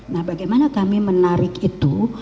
nah bagaimana kami menarik itu